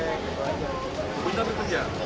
ibu ibu itu pergi ke kerja